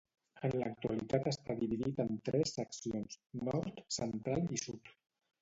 En l'actualitat està dividit en tres seccions: nord, central i sud.